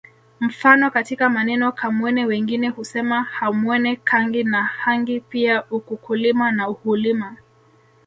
Mfano katika maneno Kamwene wengine husema Hamwene Kangi na hangi pia ukukulima na uhulima